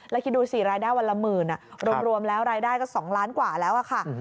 แล้วคิดดูสิรายได้วันละหมื่นรวมแล้วรายได้ก็๒ล้านกว่าแล้วค่ะ